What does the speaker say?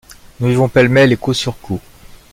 Nous vivons pêle-mêle et coup sur coup.